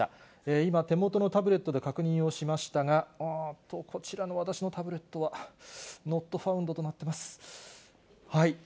今、手元のタブレットで確認をしましたが、あーっと、こちらの私のタブレットはノットファウンドとなっています。